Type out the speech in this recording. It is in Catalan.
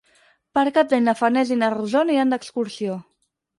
Per Cap d'Any na Farners i na Rosó aniran d'excursió.